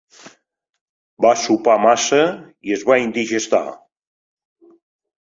Va sopar massa i es va indigestar.